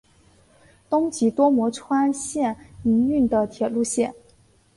东急多摩川线营运的铁路线。